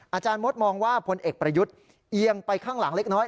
อาจารย์มดมองว่าพลเอกประยุทธ์เอียงไปข้างหลังเล็กน้อย